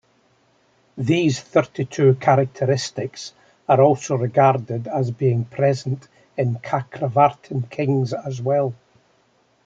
These thirty-two characteristics are also regarded as being present in cakravartin kings as well.